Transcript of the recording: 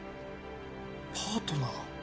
パートナー？